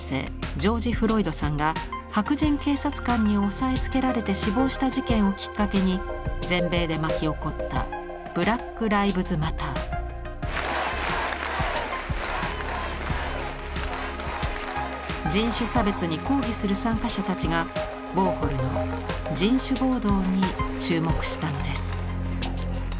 ジョージ・フロイドさんが白人警察官に押さえつけられて死亡した事件をきっかけに全米で巻き起こった人種差別に抗議する参加者たちがウォーホルの「人種暴動」に注目したのです。